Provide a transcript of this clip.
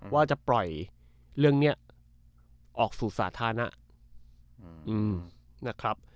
ว่าจะปล่อยเรื่องนี้ออกสู่สาธารณะนะครับ